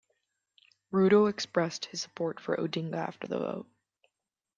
Ruto expressed his support for Odinga after the vote.